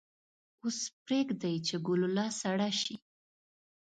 اوس پریږدئ چې ګلوله سړه شي.